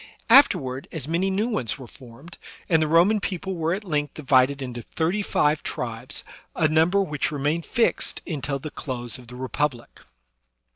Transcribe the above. After ward as many new ones were formed; and the Roman people were at length divided into thirty five tribes, a number which remained fixed until the close of the Republic.